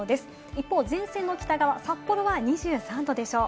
一方、前線の北側、札幌は２３度でしょう。